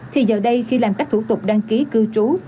thì giờ đây khi làm các thủ tục đăng ký cư trú